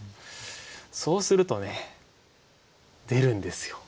そうするとね出るんですよ